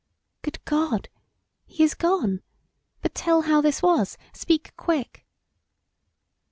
"Good God! He is gone! But tell how this was; speak quick!"